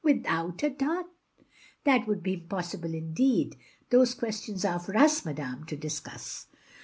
" without a dot t That would be impossible in deed! These questions are for us, madame, to discuss.